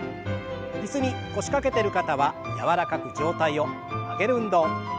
椅子に腰掛けてる方は柔らかく上体を曲げる運動。